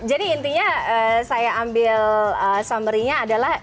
jadi intinya saya ambil summary nya adalah